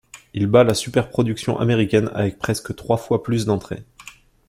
Il bat la superproduction américaine avec presque trois fois plus d'entrées.